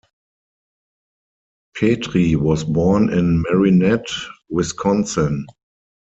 Petri was born in Marinette, Wisconsin.